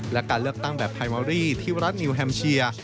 และการเลือกตั้งแบบไพมอรี่ที่รัฐนิวแฮมเชีย